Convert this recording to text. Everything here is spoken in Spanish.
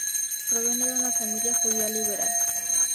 Proviene de una familia judía liberal.